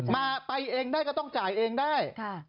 มาไปเองได้ก็ต้องจ่ายเองได้